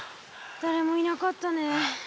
だれもいなかったね。